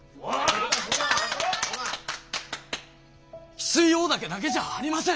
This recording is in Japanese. ヒスイオオダケだけじゃありません！